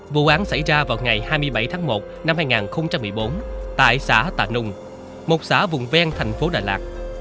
vụ án xảy ra vào ngày hai mươi bảy tháng một năm hai nghìn một mươi bốn tại xã tà nùng một xã vùng ven thành phố đà lạt